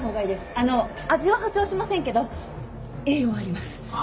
あの味は保証しませんけど栄養はあります。